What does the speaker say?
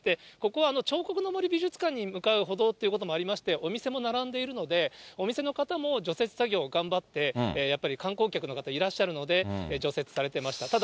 ここは彫刻の森美術館に向かう歩道ということもありまして、お店も並んでいるので、お店の方も除雪作業、頑張って、やっぱり観光客の方いらっしゃるので、除雪されてました。